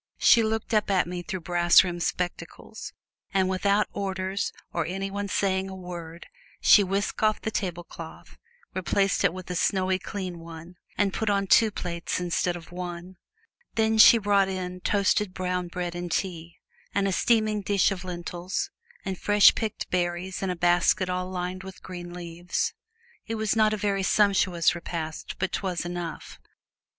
She looked up at me through brass rimmed spectacles, and without orders or any one saying a word she whisked off the tablecloth, replaced it with a snowy, clean one, and put on two plates instead of one. Then she brought in toasted brown bread and tea, and a steaming dish of lentils, and fresh picked berries in a basket all lined with green leaves. It was not a very sumptuous repast, but 't was enough.